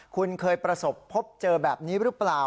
คุณเคยประสบพบเจอแบบนี้หรือเปล่า